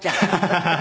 ハハハハ。